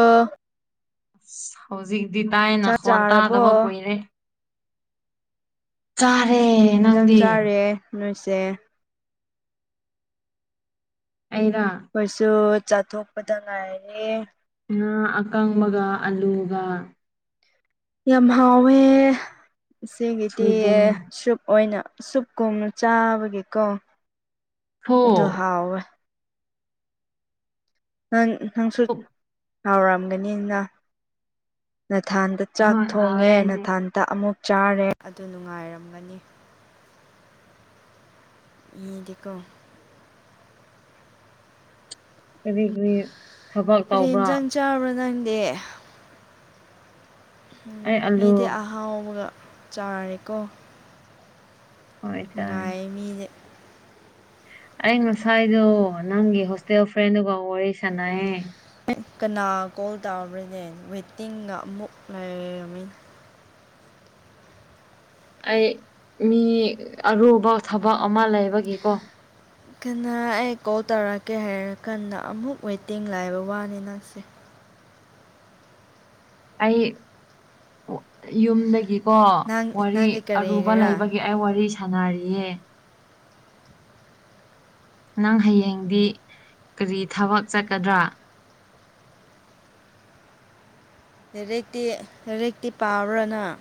ꯑꯥ ꯑ ꯍꯧꯖꯤꯛꯇꯤ ꯇꯥꯏꯅ ꯆꯥꯛ ꯈ꯭ꯋꯥꯟ ꯇꯥꯗꯕ ꯆꯥꯔꯕꯣ ꯀꯨꯏꯔꯦ ꯆꯥꯔꯦ ꯀꯔꯤ ꯏꯟꯖꯥꯡ ꯅꯪꯗꯤ ꯆꯥꯔꯦ ꯅꯣꯏꯁꯦ ꯑꯩꯔ ꯑꯩꯈꯣꯏꯁꯨ ꯆꯥꯊꯣꯛꯄꯗ ꯉꯥꯏꯔꯦ ꯉꯥ ꯑꯀꯪꯕꯒ ꯑꯥꯂꯨꯒ ꯌꯥꯝ ꯍꯥꯎꯋꯦ ꯁꯤꯒꯤꯗꯤ ꯁꯣꯏꯕꯨꯝ ꯁꯨꯞ ꯑꯣꯏꯅ ꯁꯨꯞ ꯀꯣꯝꯅ ꯆꯥꯕꯒꯤꯀꯣ ꯊꯣ ꯑꯗꯨ ꯍꯥꯎꯋꯦ ꯅ ꯅꯪꯁꯨ ꯊꯨꯞ ꯍꯥꯎꯔꯝꯒꯅꯤꯅ ꯅꯊꯟꯗ ꯆꯥꯛ ꯍꯣꯏ ꯍꯥꯎꯋꯦ ꯊꯣꯡꯉꯦ ꯑꯩꯗꯤ ꯅꯊꯟꯇ ꯑꯃꯨꯛ ꯆꯥꯔꯦ ꯑꯗꯨ ꯅꯨꯡꯉꯥꯏꯔꯝꯒꯅꯤ ꯃꯤꯗꯤꯀꯣ ꯀꯔꯤꯒꯤ ꯀꯔꯤ ꯏꯟꯁꯥꯡ ꯆꯥꯕ꯭ꯔꯣꯥ ꯅꯪꯗꯤ ꯎꯝ ꯑꯩ ꯑꯂꯨ ꯃꯤꯗꯤ ꯑꯍꯥꯎꯕꯒ ꯆꯥꯔꯦꯀꯣ ꯍꯣꯏ ꯆꯥꯏ ꯉꯥꯏ [unintelligible] ꯑꯩ ꯉꯁꯥꯏꯗꯣ ꯅꯪꯒꯤ ꯍꯣꯁꯇꯦꯜ ꯐ꯭ꯔꯦꯟꯗꯨꯒ ꯋꯥꯔꯤ ꯁꯥꯟꯅꯩꯌꯦ ꯀꯅꯥ ꯀꯣꯜ ꯇꯥꯔꯕ꯭ꯔꯅꯦ ꯋꯦꯇꯤꯡꯒ ꯑꯃꯨꯛ ꯂꯩꯔꯝꯃꯤ ꯑꯩ ꯃꯤ ꯑꯔꯨꯕ ꯊꯕꯛ ꯑꯃ ꯂꯩꯕꯒꯤꯀꯣ ꯀꯅꯥ ꯑꯩ ꯀꯣꯜ ꯇꯧꯔꯛꯀꯦ ꯍꯥꯏꯔꯀꯥꯟꯗ ꯑꯃꯨꯛ ꯋꯦꯇꯤꯡ ꯂꯩꯕ ꯋꯥꯅꯤ ꯅꯪꯁꯦ ꯑꯩ ꯌꯨꯝꯗꯒꯤꯀꯣ ꯅꯪ ꯋꯥꯔꯤ ꯅꯪꯗꯤ ꯑꯔꯨꯕ ꯀꯔꯤꯒꯤꯔꯥ ꯂꯩꯕꯒꯤ ꯑꯩ ꯋꯥꯔꯤ ꯁꯥꯟꯅꯔꯤꯌꯦ ꯅꯪ ꯍꯌꯦꯡꯗꯤ ꯀꯔꯤ ꯊꯕꯛ ꯆꯠꯀꯗ꯭ꯔꯥ ꯂꯥꯏꯔꯤꯛꯇꯤ ꯂꯥꯏꯔꯤꯛꯇꯤ ꯄꯥꯕ꯭ꯔ ꯅꯪ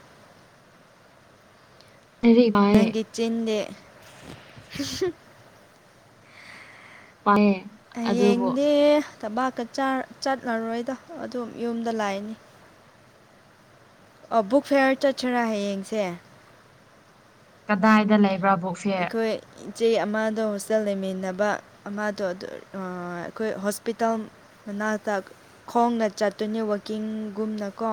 ꯂꯥꯏꯔꯤꯛ ꯄꯥꯏꯌꯦ ꯅꯪꯒꯤ ꯆꯤꯟꯗꯦ [unintelligible] [unintelligible] ꯍꯌꯦꯡꯗꯤ ꯇꯕꯥꯛꯀ ꯆꯠꯂꯔꯣꯏꯗꯣ ꯑꯗꯨꯝ ꯌꯨꯝꯗ ꯂꯩꯅꯤ ꯑꯣ ꯕꯨꯛ ꯐꯦꯌꯥꯔ ꯆꯠꯁꯤꯔꯥ ꯍꯌꯦꯡꯁꯦ ꯀꯗꯥꯏꯗ ꯂꯩꯕ꯭ꯔꯥ ꯕꯨꯛ ꯐꯤꯌꯔ ꯑꯩꯈꯣꯏ ꯏꯆꯦ ꯑꯃꯗꯣ ꯍꯣꯁꯇꯦꯜ ꯂꯩꯃꯤꯟꯅꯕ ꯑꯃꯗꯣ ꯑꯩꯈꯣꯏ ꯍꯣꯁꯄꯤꯇꯥꯜ ꯃꯅꯥꯛꯇ ꯈꯣꯡꯅ ꯆꯠꯇꯣꯏꯅꯦ ꯋꯥꯀꯤꯡꯒꯨꯝꯅꯀꯣ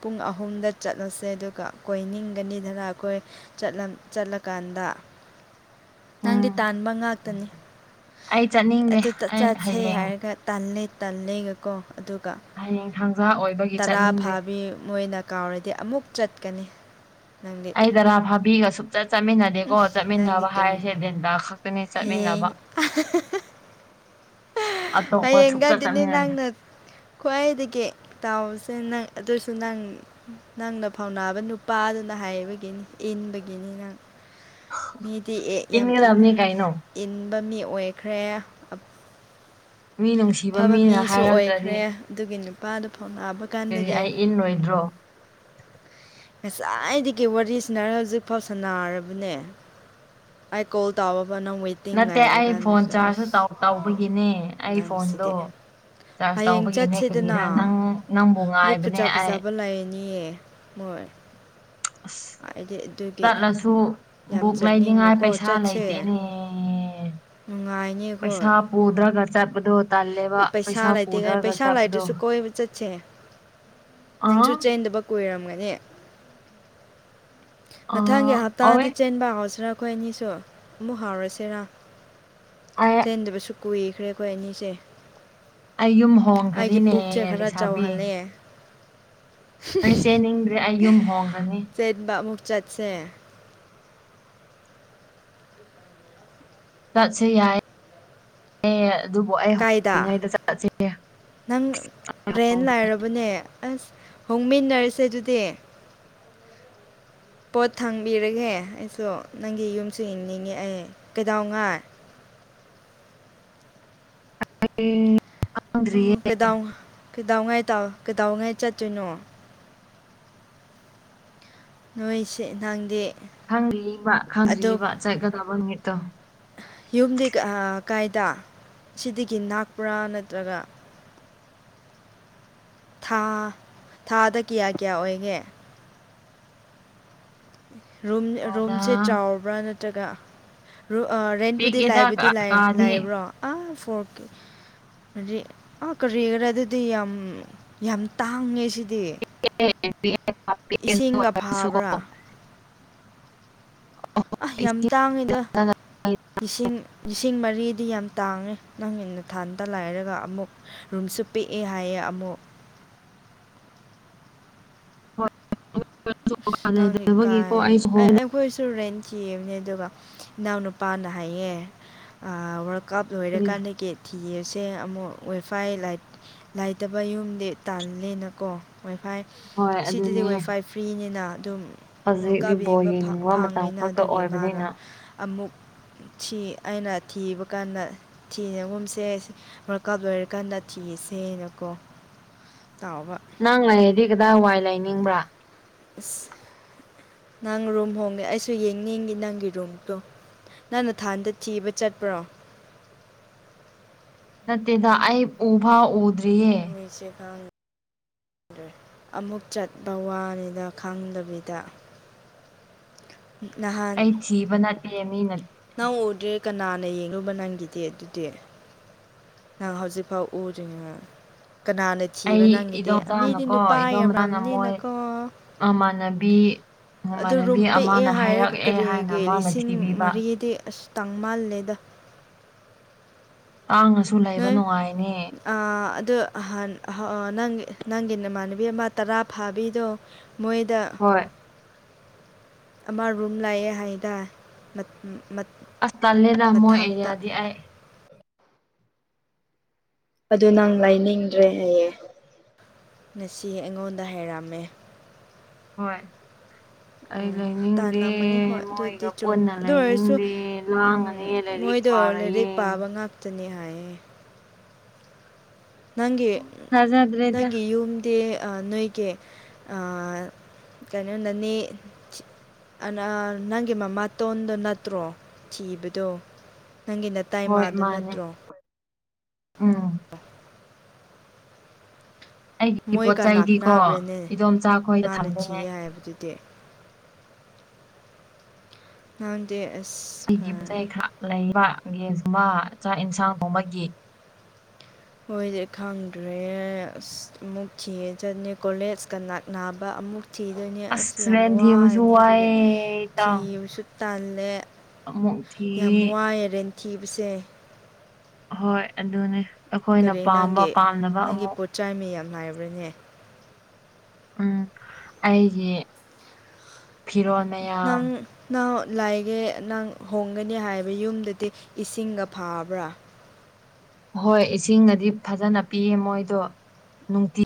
ꯄꯨꯡ ꯑꯍꯨꯝꯗ ꯆꯠꯂꯨꯁꯦ ꯑꯗꯨꯒ ꯀꯣꯏ ꯅꯤꯡꯒꯅꯤꯗꯅ ꯑꯩꯈꯣꯏ ꯆꯠꯂ ꯆꯠꯂꯀꯥꯟꯗ ꯅꯪꯗꯤ ꯎꯝ ꯇꯥꯟꯕ ꯉꯥꯛꯇꯅꯤ ꯑꯩ ꯆꯠꯅꯤꯡꯗꯦ ꯑꯗꯨꯗ ꯑꯩ ꯆꯠꯁꯦ ꯍꯌꯦꯡ ꯍꯥꯏꯔꯒ ꯇꯜꯂꯦ ꯇꯜꯂꯒꯀꯣ ꯑꯗꯨꯒ ꯍꯌꯦꯡ ꯊꯥꯡꯖꯥ ꯑꯣꯏꯕꯒꯤ ꯇꯔꯥ ꯆꯠꯅꯤꯡꯗꯦ ꯐꯥꯕꯤ ꯃꯣꯏꯅ ꯀꯥꯎꯔꯗꯤ ꯑꯃꯨꯛ ꯆꯠꯀꯅꯤ ꯅꯪꯗꯤ ꯑꯩꯩꯗꯔꯥ ꯐꯥꯕꯤꯒ ꯁꯨꯡꯆꯠ ꯆꯠꯃꯤꯟꯅꯗꯦꯀꯣ ꯅꯪꯗꯤ ꯆꯠꯃꯤꯟꯅꯕ ꯀꯔꯤ ꯍꯥꯏꯔꯁꯦ ꯗꯦꯟꯗ ꯍꯌꯦꯡ [unintelligible] ꯑꯇꯣꯞꯄ ꯁꯨꯡꯆꯠ ꯍꯌꯦꯡꯒꯗꯨꯅꯦ ꯆꯠꯃꯤꯟꯅꯗꯦ ꯅꯪꯅ ꯈ꯭ꯋꯥꯏꯗꯒꯤ ꯇꯥꯎꯁꯦ ꯅꯪ ꯑꯗꯨꯁꯨ ꯅꯪ ꯅꯪꯅ ꯐꯥꯎꯅꯥꯕ ꯅꯨꯄꯥꯗꯨꯅ ꯍꯥꯏꯕꯒꯤꯅꯤ ꯏꯟꯕꯒꯤꯅꯤ ꯅꯪ ꯃꯤꯗꯤ ꯑꯦ ꯌꯥꯝ ꯏꯟꯒꯗꯕꯅꯤ ꯀꯩꯅꯣ ꯏꯟꯕ ꯃꯤ ꯑꯣꯏꯈ꯭ꯔꯦ ꯃꯤ ꯅꯨꯡꯁꯤꯕ ꯐꯕ ꯃꯤꯅ ꯃꯤꯁꯨ ꯍꯥꯏꯔꯛꯇ꯭ꯔꯗꯤ ꯑꯣꯏꯈ꯭ꯔꯦ ꯑꯗꯨꯒꯤ ꯅꯨꯄꯥꯗꯨ ꯐꯥꯎꯉꯑꯕ ꯀꯔꯤ ꯀꯥꯟꯗꯒꯤ ꯑꯩ ꯏꯟꯂꯣꯏꯗ꯭ꯔꯣ ꯉꯁꯥꯏꯗꯒꯤ ꯋꯥꯔꯤꯁꯥꯟꯅꯔ ꯍꯧꯖꯤꯛꯐꯥꯎ ꯁꯅꯥꯔꯕꯅꯦ ꯑꯩ ꯀꯣꯜ ꯇꯥꯎꯕ ꯅꯪ ꯋꯦꯠ ꯅꯠꯇꯦ ꯑꯩ ꯐꯣꯟ ꯆꯥꯔꯖꯁꯨ ꯇꯧꯕꯒꯤꯅꯦ ꯑꯩ ꯐꯣꯟꯗꯣ ꯅꯪꯁꯤꯗꯤ ꯆꯥꯔꯖ ꯍꯌꯦꯡ ꯇꯧꯕꯒꯤꯅꯦ ꯆꯠꯁꯤꯗꯅ ꯀꯔꯤꯔ ꯅꯪ ꯅꯪꯕꯨ ꯉꯥꯏꯕꯅꯦ ꯑꯩ ꯍꯣꯏ [unintelligible] ꯑꯁ ꯍꯥꯏꯗꯤ ꯑꯗꯨ ꯆꯠꯂꯁꯨ ꯕꯨꯛ ꯂꯩꯅꯤꯉꯥꯏ ꯄꯩꯁꯥ ꯆꯠꯁꯦ ꯂꯩꯇꯦꯅꯦ ꯅꯨꯡꯉꯥꯏꯅꯤ ꯑꯩꯈꯣꯏ ꯄꯩꯁꯥ ꯄꯨꯗ꯭ꯔꯒ ꯆꯠꯄꯗꯣ ꯇꯜꯂꯦꯕ ꯄꯩꯁꯥ ꯄꯨꯗ꯭ꯔꯥꯒ ꯆꯠꯄꯗꯣ ꯆꯠꯆꯦ [inaudible] ꯑꯥ ꯅꯤꯡꯁꯨ ꯆꯦꯟꯗꯕ ꯀꯨꯏꯔꯝꯒꯅꯤ ꯃꯊꯪꯒꯤ ꯑꯥ ꯑꯣꯏ ꯍꯞꯇꯥꯗꯤ ꯆꯦꯟꯕ ꯍꯧꯁꯤꯔ ꯑꯩꯈꯣꯏ ꯑꯅꯤꯁꯨ ꯑꯃꯨꯛ ꯍꯥꯎꯔꯁꯤꯔꯥ ꯑꯩ ꯆꯦꯟꯗꯕꯁꯨ ꯀꯨꯏꯈ꯭ꯔꯦ ꯑꯩꯈꯣꯏ ꯑꯅꯤꯁꯦ ꯑꯩ ꯌꯨꯝ ꯑꯩꯒꯤ ꯍꯣꯡꯈ꯭ꯔꯅꯤꯅꯦ ꯄꯨꯛꯁꯦ ꯈꯔ ꯂꯩꯁꯥꯕꯤ ꯆꯥꯎꯍꯜꯂꯦ ꯑꯩ ꯆꯦꯟꯅꯤꯡꯕꯗꯤ ꯑꯩ ꯌꯨꯝ ꯍꯣꯡꯈ꯭ꯔꯅꯤ ꯗ ꯑꯃꯨꯛ ꯆꯠꯁꯦ ꯆꯠꯁꯦ ꯌꯥꯏ ꯌꯦ ꯑꯗꯨꯕꯨ ꯑꯩ ꯀꯥꯏꯗ ꯍꯧꯗ꯭ꯔꯤꯉꯩꯗ ꯆꯠꯁꯦ ꯅꯪ ꯔꯦꯟ ꯍꯣꯡꯈ꯭ꯔꯦ ꯂꯥꯏꯔꯕꯅꯦ ꯑꯁ ꯍꯣꯡꯃꯤꯟꯅꯔꯁꯦ ꯑꯗꯨꯗꯤ ꯄꯣꯠ ꯊꯥꯡꯕꯤꯔꯒꯦ ꯑꯩꯁꯨ ꯅꯪꯒꯤ ꯌꯨꯝꯁꯨ ꯌꯦꯡꯅꯤꯡꯉꯦ ꯑꯩ ꯀꯩꯗꯧꯉꯩ ꯑꯩ ꯀꯩꯗꯧ ꯀꯩꯗꯧꯉꯩ ꯇꯧ ꯀꯩꯗꯧꯉꯥꯏ ꯆꯠꯇꯣꯏꯅꯣ ꯅꯣꯏꯁꯦ ꯅꯪꯗꯤ ꯈꯪꯗ꯭ꯔꯤꯕ ꯑꯗꯨ ꯈꯪꯗ꯭ꯔꯤꯕ ꯆꯠꯀꯗꯧꯕ ꯅꯨꯃꯤꯠꯇꯣ ꯌꯨꯝꯗꯤ ꯀꯥꯏꯗ ꯁꯤꯗꯒꯤ ꯅꯥꯛꯄ꯭ꯔꯥ ꯅꯠꯇ꯭ꯔꯒ ꯊꯥ ꯊꯥꯗ ꯀꯌꯥ ꯀꯌꯥ ꯑꯣꯏꯒꯦ ꯔꯨꯝ ꯑꯗ ꯔꯨꯝꯁꯦ ꯆꯥꯎꯕ꯭ꯔꯥ ꯅꯠꯇ꯭ꯔꯒ ꯔꯨ ꯔꯦꯟꯕꯨꯨꯇꯤ ꯄꯤꯛꯑꯦꯗ ꯂꯩꯕꯗꯤ ꯀꯥ ꯂꯩꯕꯗꯤ ꯂꯩ ꯀꯥꯗꯤ ꯂꯩꯕ꯭ꯔꯣ ꯑꯥ ꯐꯣꯔꯛ ꯑꯥ ꯀꯔꯤꯒꯤꯔꯥ ꯑꯗꯨꯗꯤ ꯌꯥꯝ ꯌꯥꯝ ꯇꯥꯡꯉꯦ ꯁꯤꯗꯤ ꯏꯁꯤꯡꯒ ꯐꯕ꯭ꯔꯥ [unintelligible] ꯑ ꯌꯥꯝ ꯇꯥꯡꯉꯤꯗ ꯂꯤꯁꯤꯡ ꯂꯤꯁꯤꯡ ꯃꯔꯤꯗꯤ ꯌꯥꯝ ꯇꯥꯡꯉꯦ ꯅꯪ ꯅꯊꯟꯇ ꯂꯩꯔꯒ ꯑꯃꯨꯛ ꯔꯨꯝꯁꯨ ꯄꯤꯛꯑꯦ ꯍꯥꯏꯌꯦ ꯑꯃꯨꯛ ꯅꯪꯗꯤ ꯀꯥꯏ [unintelligible] ꯑꯩꯈꯣꯏꯁꯨ ꯔꯦꯟ ꯊꯤꯕꯅꯦ ꯑꯗꯨꯒ ꯏꯅꯥꯎꯅꯨꯄꯥꯅ ꯍꯥꯏꯌꯦ ꯀꯥꯞ ꯍꯣꯡꯗ꯭ꯔꯤ ꯂꯣꯏꯔꯀꯥꯟꯗꯒꯤ ꯊꯤꯔꯁꯦ ꯑꯃꯨꯛ ꯋꯥꯏꯐꯥꯏ ꯂꯥꯏ ꯂꯥꯏꯇꯕ ꯌꯨꯝꯗꯤ ꯇꯥꯜꯂꯦꯅꯀꯣ ꯋꯥꯏ ꯐꯥꯏ ꯍꯣꯏ ꯁꯤꯗꯗꯤ ꯑꯗꯨꯅꯦ ꯋꯥꯏ ꯐꯥꯏ ꯐ꯭ꯔꯤꯅꯤꯅ ꯑꯗꯨꯝ ꯋꯥꯔꯜ ꯍꯧꯖꯤꯛꯇꯤ ꯀꯞ ꯕꯣꯜ ꯌꯦꯡꯕ ꯌꯦꯡꯅꯤꯡꯕ ꯃꯇꯝ ꯐꯪꯉꯦꯅ ꯈꯛꯇ ꯑꯗꯨꯒꯤ ꯃꯥꯅ ꯑꯣꯏꯕꯅꯤꯅ ꯑꯃꯨꯛ ꯁꯤ ꯑꯩꯅ ꯊꯤꯕ ꯀꯥꯟꯗ ꯊꯤꯔꯒꯨꯝꯁꯦ ꯋꯥꯔꯀꯞ ꯂꯣꯏꯔꯀꯥꯟꯗ ꯊꯤꯔꯁꯦꯅꯀꯣ ꯇꯥꯎꯕ ꯅꯪ ꯂꯩꯔꯗꯤ ꯀꯗꯥꯏ ꯋꯥꯏ ꯂꯩꯅꯤꯡꯕ꯭ꯔꯥ ꯑꯁ ꯅꯪ ꯔꯨꯝ ꯍꯣꯡꯉꯦ ꯑꯩꯁꯨ ꯌꯦꯡꯅꯤꯡꯏ ꯅꯪꯒꯤ ꯔꯨꯝꯗꯣ ꯅꯪ ꯅꯊꯥꯟꯗ ꯊꯤꯕ ꯆꯠꯄ꯭ꯔꯣ ꯅꯠꯇꯦꯗ ꯑꯩ ꯎꯐꯥꯎ ꯎꯗꯔꯤ [unintelligible] ꯑꯃꯨꯛ ꯆꯠꯄ ꯋꯥꯔꯦꯗ ꯈꯪꯗꯕꯤꯗ ꯅꯍꯥꯟ ꯑꯩ ꯊꯤꯕ ꯅꯠꯇꯦ ꯃꯤꯅ ꯅꯪ ꯎꯗ꯭ꯔꯦ ꯀꯅꯥꯅ ꯌꯦꯡꯂꯨꯕ ꯅꯪꯒꯤꯗꯤ ꯑꯗꯨꯗꯤ ꯅꯪ ꯍꯥꯎꯖꯤꯐꯥꯎ ꯎꯗ꯭ꯔꯤ ꯀꯅꯥꯅ ꯊꯤꯕ ꯑꯩ ꯅꯪꯒꯤꯗꯤ ꯃꯤꯗꯤ ꯏꯗꯣꯝꯆꯥꯅꯀꯣ ꯅꯨꯄꯥ ꯏꯗꯣꯝꯆꯥꯅ ꯃꯣꯏ ꯌꯥꯝꯔꯝꯅꯤꯅꯀꯣ ꯃꯃꯥꯟꯅꯕꯤ ꯑꯗꯨ ꯔꯨꯝ ꯃꯃꯥꯟꯅꯕꯤ ꯄꯤꯛꯑꯦ ꯑꯃꯅ ꯍꯥꯏꯔꯦ ꯍꯥꯏꯔꯛꯑꯦ ꯍꯥꯏꯅ ꯀꯔꯤꯒꯤ ꯃꯥꯅ ꯂꯤꯁꯤꯡ ꯊꯤꯕꯤꯕ ꯃꯔꯤꯗꯤ ꯑꯁ ꯇꯥꯡꯃꯜꯂꯦꯗ ꯇꯥꯡꯉꯁꯨ ꯂꯩꯕ ꯅꯨꯡꯉꯥꯏꯅꯦ ꯑꯗꯨꯣ ꯅꯍꯥꯟ ꯅꯪ ꯅꯪꯒꯤ ꯅꯃꯥꯟꯅꯕꯤ ꯑꯃ ꯇꯔꯥ ꯐꯥꯕꯤꯗꯣ ꯃꯣꯏꯗꯥ ꯍꯣꯏ ꯑꯃ ꯔꯨꯝ ꯂꯩꯌꯦ ꯍꯥꯏꯗ ꯑꯁ ꯇꯜꯂꯦꯅ ꯃꯣꯏ ꯑꯦꯔꯤꯌꯥꯗꯤ ꯑꯩ ꯑꯗꯨ ꯅꯪ ꯂꯩꯅꯤꯡꯗ꯭ꯔꯦ ꯍꯥꯏꯌꯦ ꯉꯁꯤ ꯑꯩꯉꯣꯟꯗ ꯍꯥꯏꯔꯝꯃꯦ ꯍꯣꯏ ꯑꯩ ꯂꯩꯅꯤꯡꯗꯦ ꯇꯥꯜꯂꯝꯃꯅꯤ ꯍꯣꯏ ꯃꯣꯏꯒ ꯑꯗꯨꯗꯤ ꯆꯨꯝꯃꯦ ꯄꯨꯟꯅ ꯑꯗꯨ ꯑꯣꯏꯔꯁꯨ ꯂꯩꯅꯤꯡꯗꯦ ꯂꯥꯡꯉꯅꯤ ꯎꯝ, ꯂꯥꯏꯔꯤꯛ ꯃꯣꯏꯗꯣ ꯋꯥꯥꯔꯣꯏꯌꯦ ꯂꯥꯏꯔꯤꯛ ꯄꯥꯕ ꯍꯥꯏꯌꯦ ꯅꯪꯒꯤ ꯊꯥꯖꯗ꯭ꯔꯦꯗ ꯅꯪꯒꯤ ꯌꯨꯝꯗꯤ ꯅꯣꯏꯒꯤ ꯑ ꯀꯩꯅꯣ ꯅꯅꯤ ꯅꯪꯒꯤ ꯃꯃꯥꯇꯣꯟꯗꯣ ꯅꯠꯇ꯭ꯔꯣ ꯊꯤꯕꯗꯣ ꯅꯪꯒꯤ ꯍꯣꯏ ꯅꯇꯩꯃꯗꯣ ꯃꯥꯅꯦ ꯎꯝ ꯑ ꯑꯩꯒꯤ ꯄꯣꯠ ꯃꯣꯏꯒ ꯅꯅꯥꯛ ꯆꯩꯗꯤꯀꯣ ꯅꯥꯕ꯭ꯔꯅꯦ ꯏꯗꯣꯝꯆꯥ ꯈꯣꯏꯗ ꯃꯥꯅ ꯊꯝꯗꯣꯏꯅꯦ ꯊꯤꯌꯦ ꯍꯥꯏꯕꯗꯨꯗꯤ ꯅꯗꯦ ꯑꯁ ꯍ ꯂꯩꯕꯒꯦꯁꯨꯝ ꯑꯃ ꯆꯥꯛ ꯌꯦꯟꯁꯥꯡꯒꯨꯝ ꯑꯃꯒꯤ ꯍꯣꯏꯗꯤ ꯈꯪꯗ꯭ꯔꯦ ꯑꯁ ꯑꯃꯨꯛ ꯊꯈꯤ ꯆꯅꯤ ꯀꯣꯂꯦꯖꯀ ꯅꯛ ꯅꯥꯅꯕ ꯑꯃꯨꯛ ꯊꯤꯗꯣꯏꯅꯦ ꯑꯁꯤ ꯑꯁ ꯌꯥꯝ ꯔꯦꯟ ꯊꯤꯕꯁꯨ ꯋꯥꯔꯅꯤ ꯑꯗꯨꯒ ꯋꯥꯏꯌꯦ ꯏꯇꯥꯎ ꯊꯤꯁꯨ ꯇꯜꯂꯦ ꯑꯃꯨꯛ ꯊꯤ ꯌꯥꯝ ꯋꯥꯏ ꯔꯦꯊꯤꯕꯁꯦ ꯍꯣꯏ ꯑꯗꯨꯅꯦ ꯑꯩꯈꯣꯏꯅ ꯄꯥꯝꯕ ꯄꯥꯝꯅꯕ ꯑꯃꯨꯛ ꯆꯥꯏꯃꯦ ꯌꯥꯝ ꯅꯥꯏꯕ꯭ꯔꯅꯦ ꯎꯝ ꯑꯩꯁꯦ ꯅꯪ ꯅꯍꯪ ꯂꯥꯏꯒꯦ ꯅꯪ ꯍꯣꯡꯒꯅꯤ ꯍꯥꯏꯕ ꯌꯨꯝꯗꯗꯤ ꯏꯁꯤꯡꯒ ꯐꯥꯕ꯭ꯔꯥ ꯍꯣꯏ ꯏꯁꯤꯡꯅꯗꯤ ꯐꯖꯅ ꯄꯤꯌꯦ ꯃꯣꯏꯗꯣ ꯅꯨꯡꯇꯤ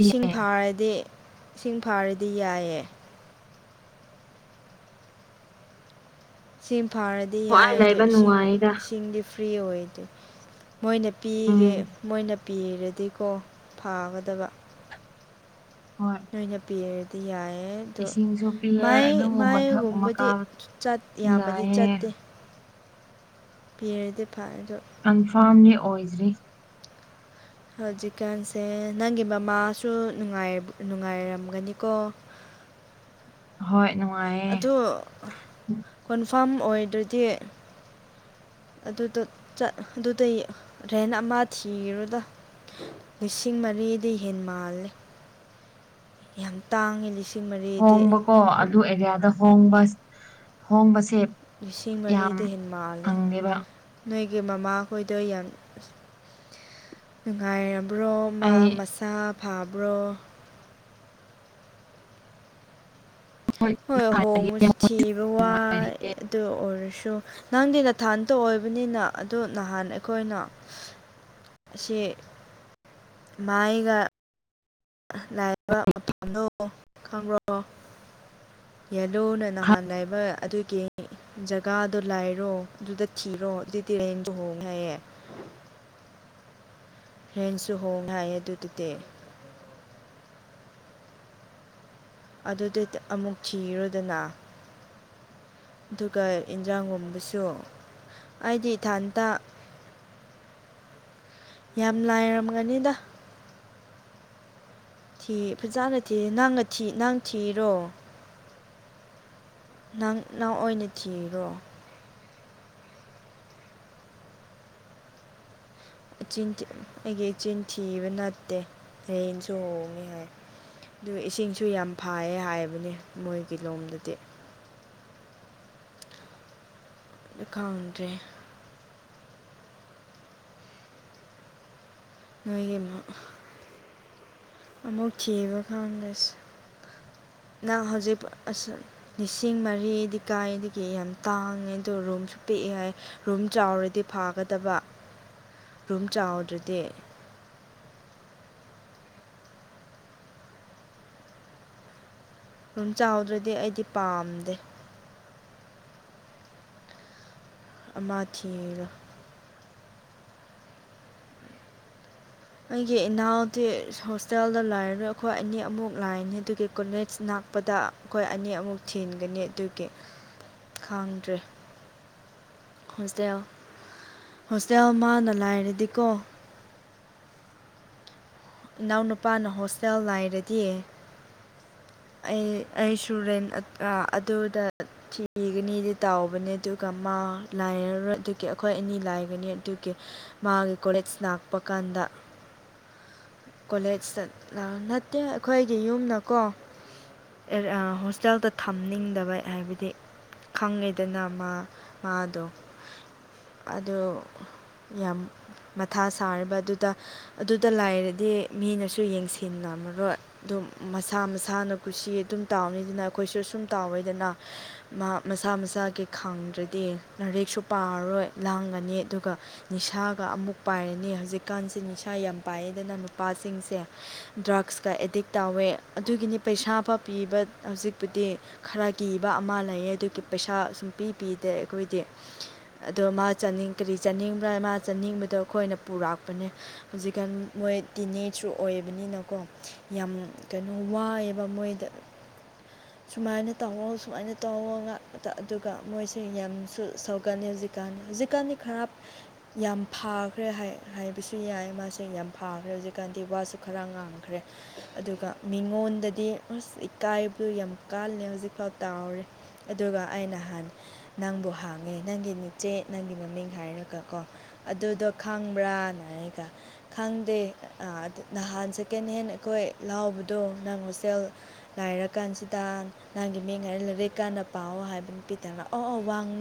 ꯏꯁꯤꯡ ꯐꯥꯔꯗꯤ ꯏꯁꯤꯡ ꯐꯥꯔꯗꯤ ꯌꯥꯏꯌꯦ ꯏꯁꯤꯡ ꯐꯥꯔꯗꯤ ꯌꯥꯏ ꯋꯥꯏ ꯑꯗꯨ ꯂꯩꯕ ꯏꯁꯤꯡ ꯅꯨꯡꯉꯥꯏꯗ ꯏꯁꯤꯡꯗꯤ ꯐ꯭ꯔꯤ ꯑꯣꯏ ꯑꯗꯨ ꯃꯣꯏꯅ ꯄꯤꯒꯦ ꯎꯝ ꯃꯣꯏꯅ ꯄꯤꯔꯗꯤꯀꯣ ꯐꯥꯒꯗꯕ ꯍꯣꯏ ꯅꯣꯏꯅ ꯄꯤꯔꯗꯤ ꯌꯥꯏ ꯑꯗꯣ ꯏꯁꯤꯡꯁꯨ ꯄꯤꯌꯦ ꯃꯥꯏ ꯑꯗꯨꯕꯨ ꯃꯊꯛꯒꯨꯝꯕ ꯃꯥꯏꯒꯨꯝꯕꯗꯤ ꯀꯥꯕ ꯌꯥꯝꯃꯗꯤ ꯌꯥꯏꯌꯦ ꯆꯠꯇꯦ ꯄꯤꯔꯗꯤ ꯐꯔ ꯑꯗꯣ ꯀꯟꯐꯥꯔꯝꯅꯤ ꯑꯣꯏꯗ꯭ꯔꯤ ꯍꯧꯖꯤꯛꯀꯥꯟꯁꯦ ꯅꯪꯒꯤ ꯃꯃꯥꯁꯨ ꯅꯨꯡꯉꯥꯏꯔꯝꯒꯅꯤꯀꯣ ꯍꯣꯏ ꯅꯨꯡꯉꯥꯏ ꯑ ꯀꯣꯟꯐꯥꯝ ꯑꯣꯏꯗ꯭ꯔꯗꯤ ꯑꯗꯨꯗ ꯑꯗꯨꯗꯩ ꯔꯦꯅ ꯑꯃ ꯊꯤꯔꯨꯗ ꯂꯤꯁꯤꯡ ꯃꯔꯤꯗꯤ ꯍꯦ ꯃꯥꯜꯂꯦ ꯌꯥꯝ ꯇꯥꯡꯉꯤ ꯂꯤꯁꯤꯡ ꯃꯔꯤꯗꯤ ꯍꯣꯡꯕꯀꯣ ꯑꯗꯨ ꯑꯦꯔꯤꯌꯥꯗ ꯍꯣꯡꯕ ꯍꯣꯡꯕꯁꯦ ꯂꯤꯁꯤꯡ ꯌꯥꯝ ꯃꯔꯤꯗ ꯍꯦ ꯃꯥꯜꯂꯦ ꯐꯪꯗꯦꯕ ꯅꯣꯏꯒꯤ ꯃꯃꯥꯍꯣꯏꯗ ꯌꯥꯝ ꯅꯨꯡꯉꯥꯏꯔꯕ꯭ꯔꯣ ꯃꯥ ꯑꯩ ꯇꯥꯞ ꯐꯕ꯭ꯔꯣ ꯍꯣꯏ ꯈꯔ ꯍꯣꯡꯕꯁꯨ ꯊꯤꯕ ꯋꯥꯏ ꯑꯗꯨ ꯑꯣꯏꯔꯁꯨ ꯅꯪꯗꯤ ꯅꯊꯥꯟ ꯇꯧꯑꯣꯕꯅꯤꯅ ꯑꯗꯨꯗꯣ ꯅꯍꯥꯟ ꯑꯩꯈꯣꯏꯅ ꯑꯁꯤ ꯃꯥꯥꯏꯒ ꯂꯥꯏꯔꯕ ꯃꯐꯝꯗꯣ ꯈꯪꯕ꯭ꯔꯣ ꯌꯦꯂꯨꯅ ꯅꯍꯥꯟ ꯂꯩꯕ ꯑꯗꯨꯒꯤ ꯖꯒꯥꯗꯣ ꯂꯥꯏꯔꯣ ꯑꯗꯨꯗ ꯀꯤꯔꯣ ꯑꯗꯨ ꯇꯤꯔꯦꯟ ꯆꯨꯍꯣꯡꯉꯦ ꯍꯥꯏꯌꯦ ꯍꯦꯟꯁꯨ ꯍꯣꯡꯅ ꯍꯥꯏꯌꯦ ꯑꯗꯨꯗꯨꯗꯤ ꯑꯗꯨꯗꯤ ꯑꯃꯨꯛ ꯊꯤꯔꯨꯗꯅ ꯑꯗꯨꯒ ꯏꯟꯖꯥꯡꯒꯨꯝꯕꯁꯨ ꯑꯩꯗꯤ ꯏꯊꯥꯟꯇ ꯌꯥꯝ ꯂꯥꯏꯔꯝꯒꯅꯤꯗ ꯊꯤ ꯐꯖꯥꯅ ꯊꯤ ꯅꯪꯅ ꯊꯤ ꯅꯪ ꯊꯤꯔꯣ ꯅꯪ ꯅꯪ ꯑꯣꯏꯅ ꯊꯤꯔꯣ ꯆꯤꯟ ꯑꯩꯒꯤ ꯆꯤꯟꯊꯤꯕ ꯅꯠꯇꯦ ꯍꯌꯦꯟꯁꯨ ꯍꯣꯡꯉꯦ ꯍꯥꯏ ꯑꯗꯨ ꯏꯁꯤꯡꯁꯨ ꯌꯥꯝ ꯐꯌꯦ ꯍꯥꯏꯕꯅꯦ ꯃꯣꯏꯒꯤ ꯂꯣꯝꯗꯗꯤ ꯀꯥꯎꯗ꯭ꯔꯦ ꯅꯣꯏ ꯑꯃ ꯑꯃꯨꯛ ꯊꯤꯕ ꯀꯥꯟꯗꯁꯦ ꯅꯪ ꯍꯧꯖꯤꯛ ꯂꯤꯁꯤꯡ ꯃꯔꯤꯗꯤ ꯀꯥꯏꯗꯒꯤ ꯌꯥꯝ ꯇꯥꯡꯉꯦ ꯑꯗꯨ ꯔꯨꯝꯁꯨ ꯄꯤꯛꯑꯦ ꯍꯥꯏ ꯔꯨꯝ ꯆꯥꯎꯔꯗꯤ ꯐꯥꯒꯗꯕ ꯔꯨꯝ ꯆꯥꯎꯗ꯭ꯔꯗꯤ ꯔꯨꯝ ꯆꯥꯎꯗ꯭ꯔꯗꯤ ꯑꯩꯗꯤ ꯄꯥꯝꯗꯦ ꯑꯃ ꯊꯤꯔꯣ ꯑꯩꯒꯤ ꯏꯅꯥꯎꯗꯤ ꯍꯣꯁꯇꯦꯜꯗ ꯂꯥꯏꯔꯣꯏ ꯑꯩꯈꯣꯏ ꯑꯅꯤ ꯑꯃꯨꯛ ꯂꯥꯏꯅꯤ ꯑꯗꯨꯒꯤ ꯀꯣꯂꯦꯖ ꯅꯥꯛꯄꯗ ꯑꯩꯈꯣꯏ ꯑꯅꯤ ꯑꯃꯨꯛ ꯊꯤꯟꯒꯅꯤ ꯑꯗꯨꯒꯤ ꯈꯥꯡꯗ꯭ꯔꯦ ꯍꯣꯁꯇꯦꯜ ꯍꯣꯁꯇꯦꯜ ꯃꯥꯅ ꯂꯥꯏꯔꯗꯤꯀꯣ ꯏꯅꯥꯎ ꯅꯨꯄꯥꯅ ꯍꯣꯁꯇꯦꯜ ꯂꯥꯏꯔꯗꯤ ꯑꯩ ꯑꯩ ꯁꯨꯔꯦꯟ ꯑꯗꯨꯗ ꯊꯤꯒꯅꯤꯗꯤ ꯇꯥꯎꯕꯅꯦ ꯑꯗꯨꯒ ꯃꯥ ꯂꯥꯏꯔꯔꯣꯏ ꯑꯗꯨꯒꯤ ꯑꯩꯈꯣꯏ ꯑꯅꯤ ꯂꯥꯏꯒꯅꯤ ꯑꯗꯨꯒꯤ ꯃꯥꯒꯤ ꯀꯣꯂꯦꯖ ꯂꯥꯛꯄ ꯀꯥꯟꯗ ꯀꯣꯂꯦꯖ ꯆꯂ ꯅꯠꯇꯦ ꯑꯩꯈꯣꯏꯒꯤ ꯌꯨꯝꯅꯀꯣ ꯍꯣꯁꯇꯦꯜꯗ ꯊꯝꯅꯤꯡꯗꯕ ꯍꯥꯏꯕꯗꯤ ꯈꯪꯉꯤꯗꯅ ꯃꯥ ꯃꯥꯗꯣ ꯑꯗꯨ ꯌꯥꯝ ꯃꯊꯥ ꯁꯥꯔꯕ ꯑꯗꯨꯗ ꯑꯗꯨꯗ ꯂꯥꯏꯔꯗꯤ ꯗꯤ ꯃꯤꯅꯁꯨ ꯌꯦꯡꯁꯤꯟꯅꯃꯔꯣꯏ ꯑꯗꯨꯝ ꯃꯁꯥ ꯃꯁꯥꯅ ꯀꯨꯁꯤ ꯑꯗꯨꯝ ꯇꯥꯎꯅꯤꯗꯅ ꯑꯩꯈꯣꯏꯁꯨ ꯁꯨꯝ ꯇꯥꯎꯋꯏꯗꯅ ꯃꯥ ꯃꯁꯥ ꯃꯁꯥꯒꯤ ꯈꯪꯗ꯭ꯔꯗꯤ ꯂꯥꯔꯤꯛꯁꯨ ꯄꯥꯔꯔꯣꯏ ꯂꯥꯡꯒꯅꯤ ꯑꯗꯨꯒ ꯅꯤꯁꯥꯒ ꯑꯃꯨꯛ ꯄꯥꯏꯔꯅꯤ ꯍꯧꯖꯤꯛꯀꯥꯟꯁꯦ ꯅꯤꯁꯥ ꯌꯥꯝ ꯄꯥꯏꯌꯦꯗꯅ ꯅꯨꯄꯥꯁꯤꯡꯁꯦ ꯗ꯭ꯔꯛꯁꯀꯥ ꯑꯦꯗꯤꯛ ꯇꯧꯋꯦ ꯑꯗꯨꯒꯤꯅꯤ ꯄꯩꯁꯥ ꯐꯥ ꯄꯤꯕ ꯍꯧꯖꯤꯛꯄꯨꯗꯤ ꯈꯔ ꯀꯤꯕ ꯑꯃ ꯂꯩꯌꯦ ꯑꯗꯨꯒꯤ ꯄꯩꯁꯥ ꯁꯨꯝ ꯄꯤ ꯄꯤꯗꯦ ꯑꯩꯈꯣꯏꯗꯤ ꯑꯗꯣ ꯃꯥ ꯆꯅꯤꯡ ꯀꯔꯤ ꯆꯥꯅꯤꯡꯕ꯭ꯔꯥ ꯃꯥ ꯆꯥꯅꯤꯡꯕꯗꯣ ꯑꯩꯈꯣꯏꯅ ꯄꯨꯔꯛꯄꯅꯦ ꯍꯧꯖꯤꯀꯥꯟ ꯃꯣꯏ ꯇꯤꯟꯑꯦꯖꯁꯨ ꯑꯣꯏꯕꯅꯤꯅꯀꯣ ꯌꯥꯝ ꯀꯩꯅꯣ ꯋꯥꯏꯑꯦꯕ ꯃꯣꯏꯗ [inaudible] ꯁꯨꯃꯥꯏꯅ ꯇꯧꯍꯧ ꯁꯨꯃꯥꯏꯅ ꯇꯧꯍꯧ ꯉꯥꯛ ꯑꯗꯨꯒ ꯃꯣꯏꯁꯦ ꯌꯥꯝꯁꯨ ꯁꯧꯒꯜꯂꯤ ꯍꯧꯖꯤꯛ ꯍꯧꯖꯤꯛꯀꯥꯟ ꯍꯧꯖꯤꯛꯀꯥꯟꯗꯤ ꯈꯔ ꯌꯥꯝ ꯐꯈ꯭ꯔꯦ ꯍꯥꯏꯕꯁꯨ ꯌꯥꯏ ꯃꯥꯁꯦ ꯌꯥꯝ ꯐꯥ ꯍꯧꯖꯤꯛꯀꯥꯟꯗꯤ ꯋꯥꯁꯨ ꯈꯔ ꯉꯥꯡꯈ꯭ꯔꯦ ꯑꯗꯨꯒ ꯃꯤꯉꯣꯟꯗꯥꯗꯤ ꯑꯁ ꯏꯀꯥꯏꯕ ꯌꯥꯝ ꯀꯥꯂꯦ ꯍꯧꯖꯤꯛꯐꯥꯎ ꯇꯥꯎꯔꯦ ꯑꯗꯨꯒ ꯑꯩ ꯅꯍꯥꯟ ꯅꯪꯕꯨ ꯍꯥꯡꯉꯦ ꯅꯪꯒꯤ ꯅꯆꯦ ꯅꯪꯒꯤ ꯃꯃꯤꯡ ꯍꯥꯏꯔꯒ ꯀꯣ ꯑꯗꯨꯗꯣ ꯈꯪꯕ꯭ꯔꯥꯅ ꯍꯥꯏꯔꯒ ꯈꯪꯗꯦ ꯅꯍꯥꯟ ꯁꯦꯀꯦꯟ ꯍꯦꯟ ꯑꯩꯈꯣꯏ ꯂꯥꯎꯕꯗꯣ ꯅꯪ ꯍꯣꯁꯇꯦꯜ ꯂꯥꯏꯔ ꯀꯥꯟꯁꯤꯗ ꯅꯪꯒꯤ ꯃꯤꯡ ꯍꯥꯏꯔ ꯂꯥꯔꯤꯀꯥꯟꯗ ꯄꯥꯑꯣ ꯍꯥꯏꯕ ꯅꯄꯤꯗꯕ ꯑꯣ ꯑꯣ ꯋꯥꯡ